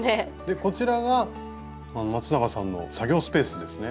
こちらがまつながさんの作業スペースですね。